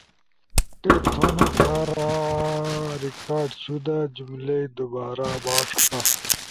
ٹیک تھونو کارا ریکارڈ شدہ جملائی دوبارا با ݜکا